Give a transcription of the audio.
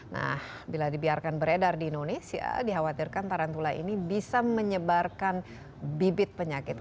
nah bila dibiarkan beredar di indonesia dikhawatirkan tarantula ini bisa menyebarkan bibit penyakit